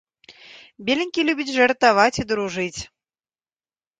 Беленькі любіць жартаваць і дружыць.